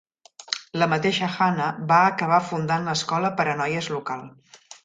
La mateixa Hannah va acabar fundant l'escola per a noies local.